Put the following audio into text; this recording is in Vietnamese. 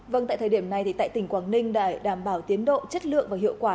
vâng tại thời điểm này tại tỉnh quảng ninh để đảm bảo tiến độ chất lượng và hiệu quả